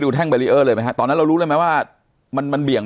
ดูแท่งเลยไหมฮะตอนนั้นเรารู้ได้ไหมว่ามันมันเบี่ยง